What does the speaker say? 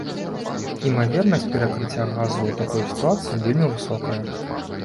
Імавернасць перакрыцця газу ў такой сітуацыі вельмі высокая.